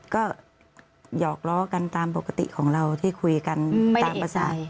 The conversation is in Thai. ก็หยอกล้อกันตามปกติของเราที่คุยกันตามภาษา